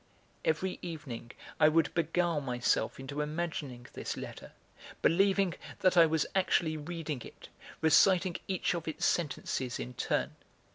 Every evening I would beguile myself into imagining this letter, believing that I was actually reading it, reciting each of its sentences in turn.